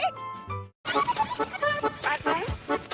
จริงลูกคอความใหญ่